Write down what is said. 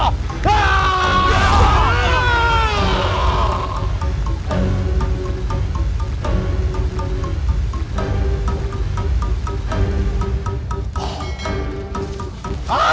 aduh dia hilang tuh